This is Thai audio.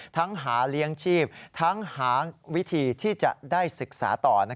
หาเลี้ยงชีพทั้งหาวิธีที่จะได้ศึกษาต่อ